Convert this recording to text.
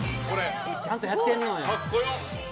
ちゃんとやってんのよ。